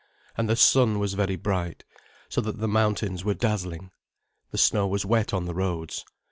And the sun was very bright. So that the mountains were dazzling. The snow was wet on the roads.